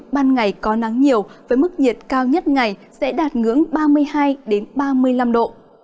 ban ngày có nắng nhiều với mức nhiệt cao nhất ngày sẽ đạt ngưỡng ba mươi hai ba mươi năm độ